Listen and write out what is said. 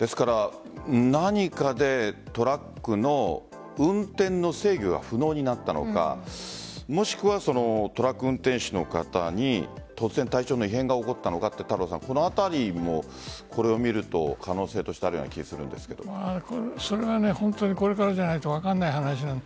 何かでトラックの運転の制御が不能になったのかもしくはトラック運転手の方に突然、体調の異変が起きたのかってそのあたりもこれを見ると可能性としてはあるようなそれは本当にこれからじゃないと分からない話。